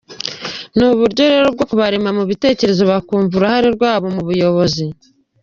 Ni uburyo rero bwo kubarema mu bitekerezo bakumva uruhare rwabo mu buyobozi.